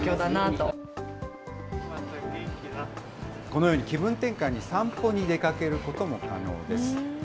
このように気分転換に散歩に出かけることも可能です。